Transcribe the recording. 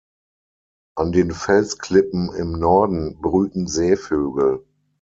An den Felsklippen im Norden brüten Seevögel.